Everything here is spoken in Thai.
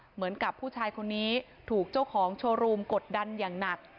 เหมือนกับผู้ชายคนนี้ถูกเจ้าของโชว์รูมกดดันอย่างหนัก